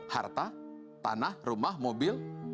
harta tanah rumah mobil